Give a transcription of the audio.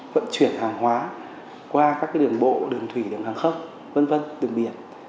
vận chuyển hàng hóa qua các đường bộ đường thủy đường hàng không v v đường biển